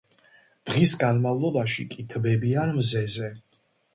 დღის განმავლობაში კი თბებიან მზეზე.